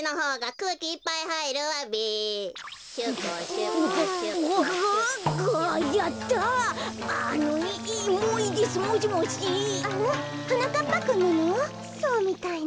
そうみたいね。